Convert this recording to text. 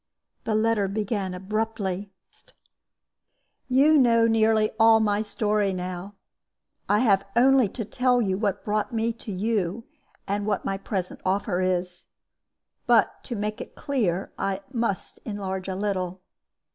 The letter began abruptly: "You know nearly all my story now. I have only to tell you what brought me to you, and what my present offer is. But to make it clear, I must enlarge a little.